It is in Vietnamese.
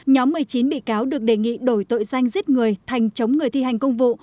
nhóm một mươi chín bị cáo được đề nghị đổi tội danh giết người thành chống người thi hành công vụ